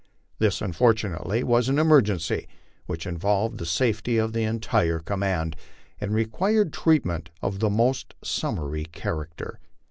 This* unfortu nately, was an emergency which involved the safety of the entire command, and required treatment of the most summary character.